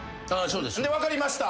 分かりました